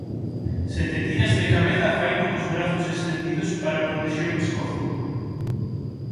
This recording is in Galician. Se te tiras de cabeza faino cos brazos estendidos para protexer o pescozo.